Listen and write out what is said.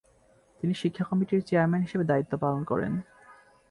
তিনি শিক্ষা কমিটির চেয়ারম্যান হিসেবে দায়িত্ব পালন করেন।